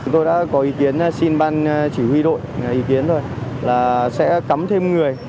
tôi đã có ý kiến xin ban chỉ huy đội ý kiến rồi là sẽ cắm thêm người